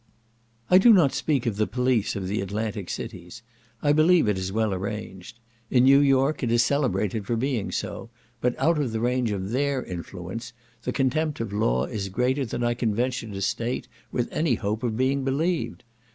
I do not speak of the police of the Atlantic cities; I believe it is well arranged: in New York it is celebrated for being so; but out of the range of their influence, the contempt of law is greater than I can venture to state, with any hope of being believed.